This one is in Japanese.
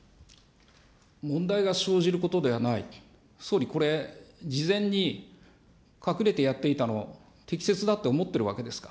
問題が生じることではない、総理、これ、事前に隠れてやっていたの、適切だって思ってるわけですか。